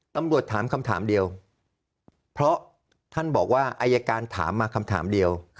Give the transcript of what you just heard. ตำรวจถามคำถามเดียวเพราะท่านบอกว่าอายการถามมาคำถามเดียว